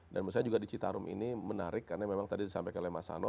dan menurut saya juga di citarum ini menarik karena memang tadi sampai ke lemah sano